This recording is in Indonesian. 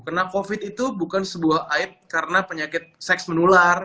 karena covid itu bukan sebuah aid karena penyakit seks menular